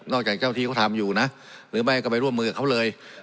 จากเจ้าที่เขาทำอยู่นะหรือไม่ก็ไปร่วมมือกับเขาเลย